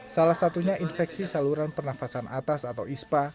salah satunya infeksi saluran pernafasan atas atau ispa